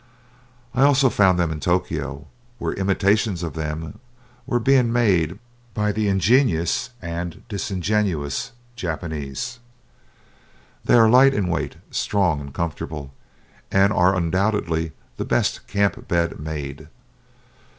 I also found them in Tokio, where imitations of them were being made by the ingenious and disingenuous Japanese. They are light in weight, strong, and comfortable, and are undoubtedly the best camp bed made.